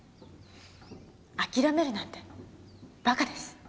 諦めるなんてバカです。